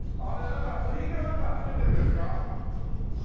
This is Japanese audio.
なんか部品かなんか集めてるんですか？